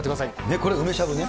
これ梅しゃぶね。